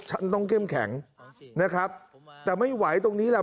ฉันต้องเข้มแข็งนะครับแต่ไม่ไหวตรงนี้แหละ